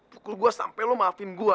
pukul gue sampai lo maafin gue